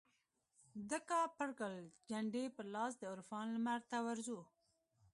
دکاپرګل جنډې په لاس دعرفان لمرته ورځو